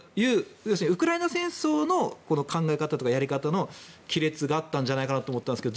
要するにウクライナ戦争の考え方とかやり方の亀裂があったんじゃないかと思ったんですが